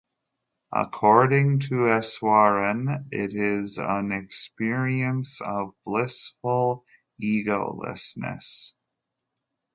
According to Easwaran, it is an experience of blissful egolessness.